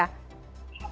saya kira betul